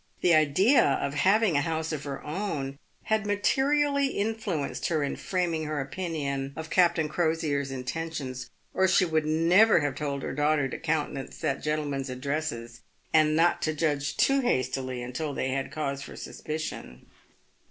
The idea of having a house of her own had materially influenced her in framing her opinion of Captain Crosier's intentions, or she would never have told her daughter to countenance that gentleman's addresses, and not to judge too hastily until they had cause for suspicion.